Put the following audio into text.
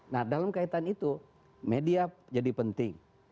nah dalam kaitan itu media jadi penting